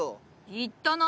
言ったな。